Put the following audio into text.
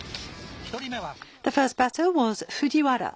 １人目は藤原選手。